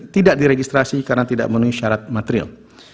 satu dua ribu dua puluh tiga tidak diregistrasi karena tidak menunjukkan syarat material